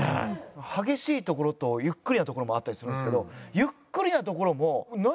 激しいところとゆっくりなところもあったりするんですけどゆっくりなところも何？